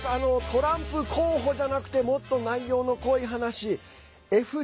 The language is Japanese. トランプ候補じゃなくてもっと内容の濃い話、ＦＴＸ。